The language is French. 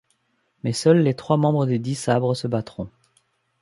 Mais seuls les trois membres des dix sabres se battront.